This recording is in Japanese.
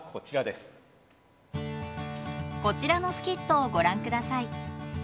こちらのスキットをご覧ください。